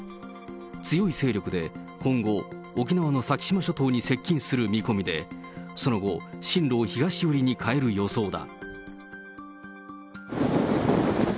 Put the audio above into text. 強い勢力で、今後、沖縄の先島諸島に接近する見込みで、その後、進路を東寄りに変える予想だ。